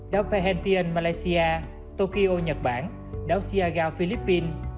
đảo pahentian malaysia tokyo nhật bản đảo siagao philippines